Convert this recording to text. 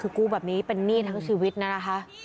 คือกู้แบบนี้เป็นหนี้ทั้งชีวิตนะนะคะ